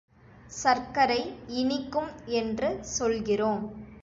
சர்க்கரை இனிக்கும் என்று சொல்கிறோம்.